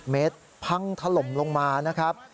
เมตรพังถล่มลงมานะครับ